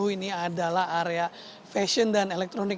ini adalah area fashion dan elektronik